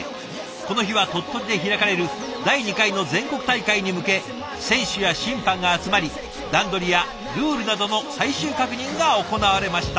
この日は鳥取で開かれる第２回の全国大会に向け選手や審判が集まり段取りやルールなどの最終確認が行われました。